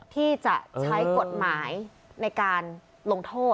ที่จะใช้กฎหมายในการลงโทษ